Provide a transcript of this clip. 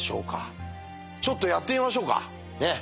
ちょっとやってみましょうかねっ。